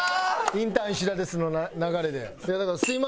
「インターン石田です」の流れで。